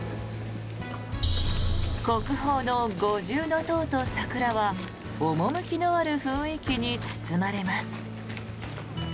国宝の五重塔と桜は趣のある雰囲気に包まれます。